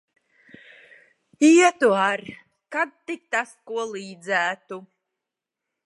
Ietu ar, kad tik tas ko līdzētu.